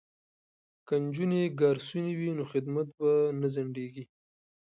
که نجونې ګارسونې وي نو خدمت به نه ځنډیږي.